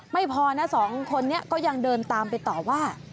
ไม่พอนะสองคนนี้ก็ยังเดินตามไปต่อว่า